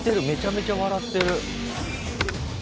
めちゃめちゃ笑ってる。